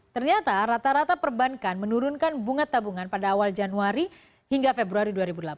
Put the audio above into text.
ternyata rata rata perbankan menurunkan bunga tabungan pada awal januari hingga februari dua ribu delapan belas